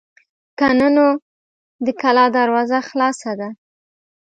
که نه نو د کلا دروازه خلاصه ده.